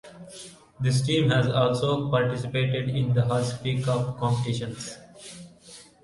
This team has also participated in the Hazfi Cup competitions.